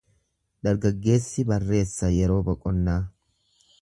Dargaggeessi barreessa yeroo boqonnaa.